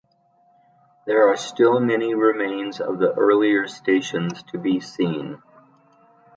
There are still many remains of the earlier stations to be seen.